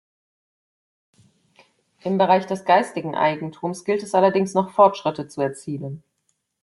Im Bereich des geistigen Eigentums gilt es allerdings noch Fortschritte zu erzielen.